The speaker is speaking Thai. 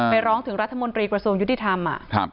ร้องถึงรัฐมนตรีกระทรวงยุติธรรม